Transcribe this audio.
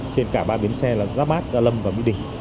trên cả ba biến xe là gia bát gia lâm và mỹ đình